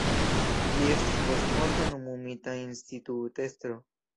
Li estis postmorte nomumita institutestro.